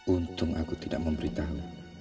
untung aku tidak memberitahu